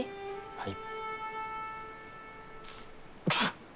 はい。